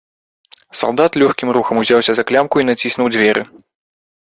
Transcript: Салдат лёгкім рухам узяўся за клямку і націснуў дзверы.